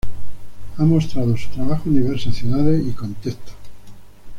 Ha mostrado su trabajo en diversas ciudades y contextos.